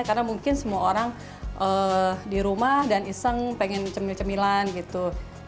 karena mungkin semua orang di rumah dan iseng pengen cemil cemilan gitu